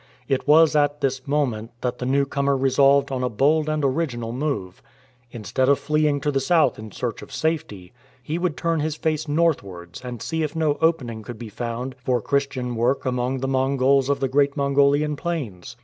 It was at this moment that the new comer resolved on a bold and original move. Instead of fleeing to the south in search of safety, he would turn his face northwards and see if no opening could be found for Christian work among the Mongols of the great INIongolian plains.